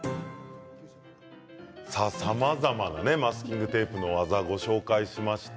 さまざまなマスキングテープの技をご紹介しました。